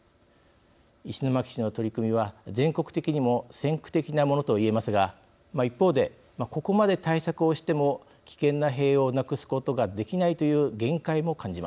石巻市の取り組みは全国的にも先駆的なものと言えますが一方でここまで対策をしても危険な塀をなくすことができないという限界も感じます。